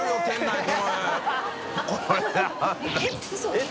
「えっ」